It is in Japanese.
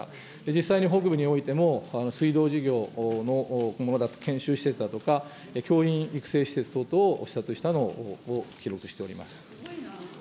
実際に北部においても、水道事業の研修施設だとか、教員育成施設等々を視察したのを記憶しております。